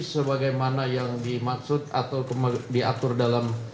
sebagaimana yang dimaksud atau diatur dalam